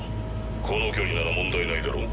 この距離なら問題ないだろう？